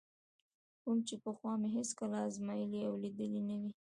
کوم چې پخوا مې هېڅکله ازمایلی او لیدلی نه وي.